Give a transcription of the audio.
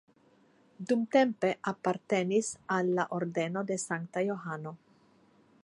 Dumtempe apartenis al la Ordeno de Sankta Johano.